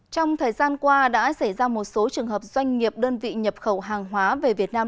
trong thời gian qua đã xảy ra một số trường hợp doanh nghiệp đơn vị nhập khẩu hàng hóa về việt nam